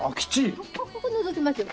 ここのぞけますよ。